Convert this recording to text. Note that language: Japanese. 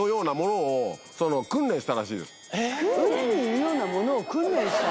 海にいるようなものを訓練した？